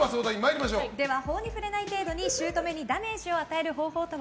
法に触れない程度に姑にダメージを与える方法とは？